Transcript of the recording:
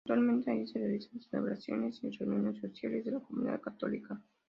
Actualmente ahí se realizan celebraciones y reuniones sociales de la comunidad católica.